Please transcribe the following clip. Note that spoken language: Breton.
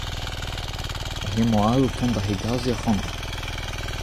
Ha hemañ all o tont da hegaziñ ac'hanoc'h.